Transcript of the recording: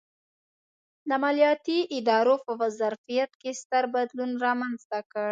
د مالیاتي ادارو په ظرفیت کې ستر بدلون رامنځته کړ.